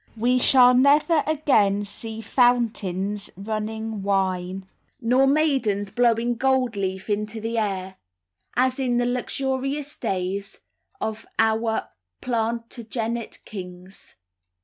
We shall never again see fountains running wine, nor maidens blowing gold leaf into the air, as in the luxurious days of our Plantagenet kings.